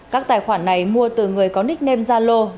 các tài khoản này mua từ người có nickname gia lô